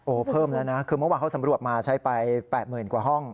เพิ่มแล้วนะคือเมื่อวานเขาสำรวจมาใช้ไป๘๐๐๐กว่าห้อง